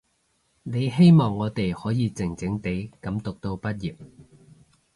你希望我哋可以靜靜地噉讀到畢業